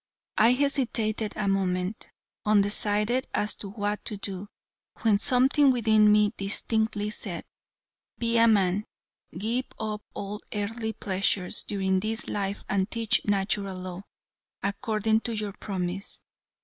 I hesitated a moment, undecided as to what to do, when something within me distinctly said: "Be a man. Give up all earthly pleasures during this life and teach Natural Law, according to your promise."